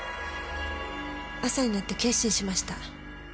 朝になって決心しました。